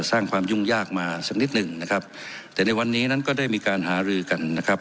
สร้างความยุ่งยากมาสักนิดหนึ่งนะครับแต่ในวันนี้นั้นก็ได้มีการหารือกันนะครับ